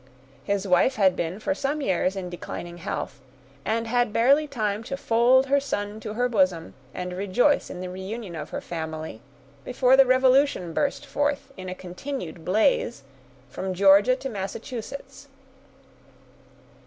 His wife had been for some years in declining health, and had barely time to fold her son to her bosom, and rejoice in the reunion of her family, before the Revolution burst forth, in a continued blaze, from Georgia to Massachusetts.